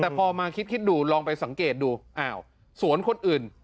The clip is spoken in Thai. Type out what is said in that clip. แต่พอมาคิดดูลองไปสังเกตดูอ้าวสวนคนอื่น